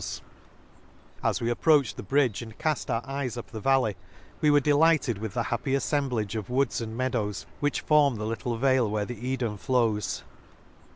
As 32 An Excursion to As we approached the bridge, and caft our eyes up the valley, we were delighted with the happy aflemblage of woods and meadows which form the little vale where the Edea flows.